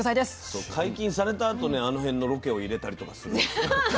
解禁されたあとねあの辺のロケを入れたりとかするんですよね。